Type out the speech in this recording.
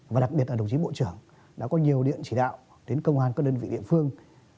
và đặc biệt là đồng chí bộ trưởng đã có nhiều điện chỉ đạo đến công an các đơn vị địa phương